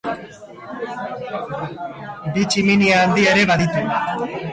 Bi tximinia handi ere baditu.